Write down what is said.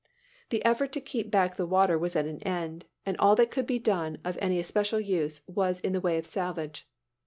The effort to keep back the water was at an end, and all that could be done of any especial use was in the way of salvage.